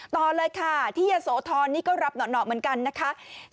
ต่อเลยค่ะที่ยะโสธรนี่ก็รับเหนาะเหมือนกันนะคะ